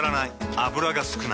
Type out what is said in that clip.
油が少ない。